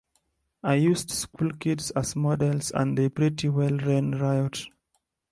I used school kids as models and they pretty well ran riot.